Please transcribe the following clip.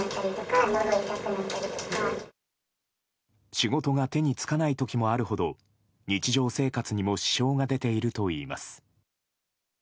仕事が手につかない時もあるほど日常生活にも支障が出ているといいます。